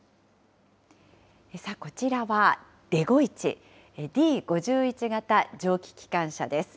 こちらはデゴイチ、Ｄ５１型蒸気機関車です。